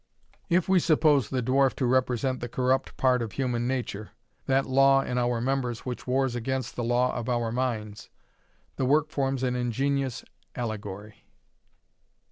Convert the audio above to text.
If we suppose the dwarf to represent the corrupt part of human nature, that "law in our members which wars against the law of our minds," the work forms an ingenious allegory.